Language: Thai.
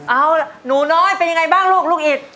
เอ้าหนูน้อยเป็นไงบ้างลูกอิทธิ์